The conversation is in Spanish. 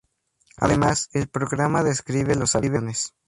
Además, el programa describe los aviones.